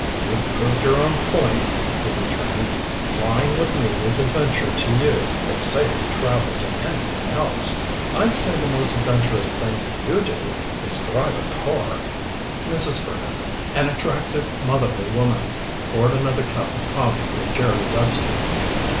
"You've proved your own point," he returned. "Flying with me is adventure to you but safe travel to anyone else. I'd say the most adventurous thing you do is drive a car." Mrs. Brant, an attractive, motherly woman, poured another cup of coffee for Jerry Webster.